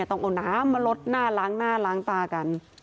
ต้องเอาน้ำมาลดหน้าล้างหน้าล้างตากัน